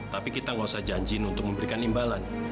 tapi kita nggak usah janjin untuk memberikan imbalan